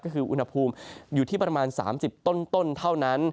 ก็คืออุณหภูมิอยู่ที่ประมาณ๓๐ต้นเท่านั้น